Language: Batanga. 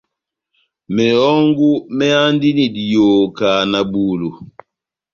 Mehɔngu méhandini diyoho kahá na bulu.